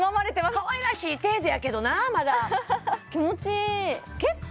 かわいらしい程度やけどなまだ気持ちいい！